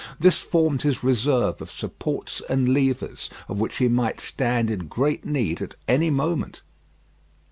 This formed his reserve of supports and levers, of which he might stand in great need at any moment.